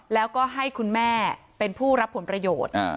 แล้วก็ให้คุณแม่เป็นผู้รับผลประโยชน์